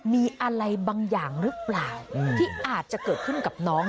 มีอะไรบางอย่างหรือเปล่าที่อาจจะเกิดขึ้นกับน้อง